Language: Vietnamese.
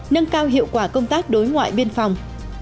nâng cao hiệu quả công tác đối ngoại biên phòng